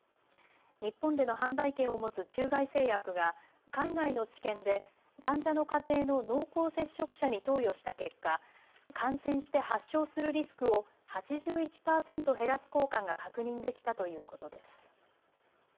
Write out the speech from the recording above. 日本での販売権を持つ中外製薬が海外の治験で患者の家庭の濃厚接触者に投与した結果、感染して発症するリスクを８１％減らす効果が確認できたということです。